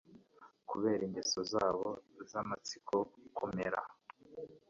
kubera ingeso zabo zamatsiko kumera